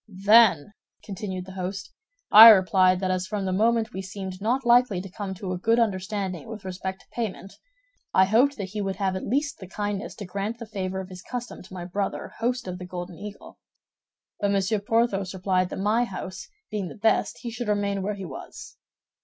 "Then," continued the host, "I replied that as from the moment we seemed not likely to come to a good understanding with respect to payment, I hoped that he would have at least the kindness to grant the favor of his custom to my brother host of the Golden Eagle; but Monsieur Porthos replied that, my house being the best, he should remain where he was.